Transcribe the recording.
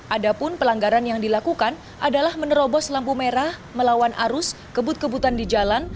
adapun pelanggaran yang dilakukan adalah menerobos lampu merah melawan arus kebut kebutan di jalan